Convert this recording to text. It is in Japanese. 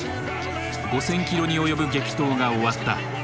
５，０００キロに及ぶ激闘が終わった。